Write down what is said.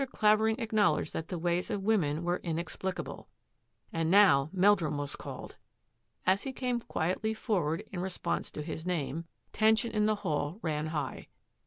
Clavering acknowledged that the ways of women were inexplicable. And now Meldrum was called! As he came quietly forward in response to his name, tension in 194 THAT AFFAIR AT THE IVIANOR the hall ran high.